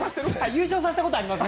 優勝させたこと、あります。